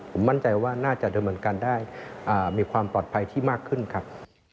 ผมมั่นใจว่าน่าจะดำเนินการได้มีความปลอดภัยที่มากขึ้นครับ